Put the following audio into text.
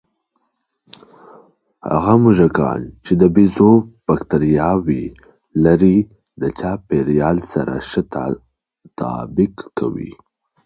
هغه موږکان چې د بیزو بکتریاوې لري، د چاپېریال سره ښه تطابق کوي.